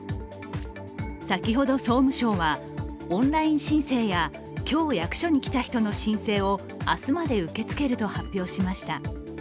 先ほど、総務省はオンライン申請や今日役所に来た人たちの申請を明日まで受け付けると発表しました。